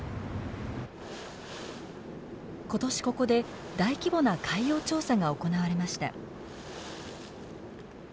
今年ここで大規模な海洋調査が行われました。